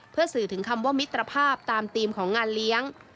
เพื่อสื่อถึงคำว่ามิตรภาพตามธีมของงานเลี้ยง